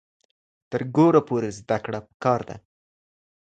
تر ګوره پورې زده کړه پکار ده.